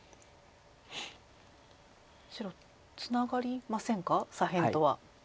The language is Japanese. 白ツナがりませんか左辺とは。